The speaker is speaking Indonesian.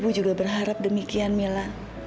ibu juga berharap demikian mila